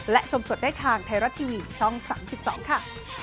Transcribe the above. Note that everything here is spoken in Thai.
และชมสดได้ทางไทยรัฐทีวีช่อง๓๒ค่ะ